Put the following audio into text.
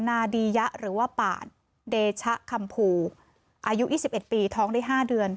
นาดียะหรือว่าปาดเดชะคำภูอายุ๒๑ปีท้องได้๕เดือน